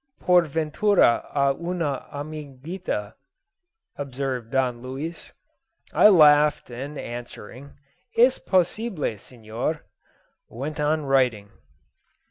"Por ventura a una amiguita," observed Don Luis. I laughed, and answering, "Es possible, Senor," went on writing.